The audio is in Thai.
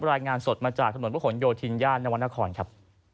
รายงานสดมาจากถนนพระขนโยธินย่านนวรรณครครับ